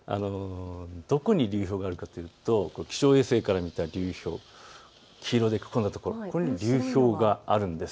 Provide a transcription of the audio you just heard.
どこに流氷があるかというと気象衛星から見た流氷、黄色で囲んだ所、ここが流氷があるんです。